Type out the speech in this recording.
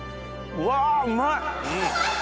うわうまい！